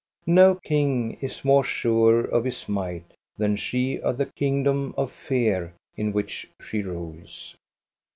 No king is more sure of his might than she of the kingdom of fear in which she rules.